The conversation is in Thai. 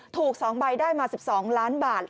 ถูก๒ใบได้มา๑๒ล้านบาท